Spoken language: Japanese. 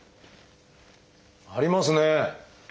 ありますね。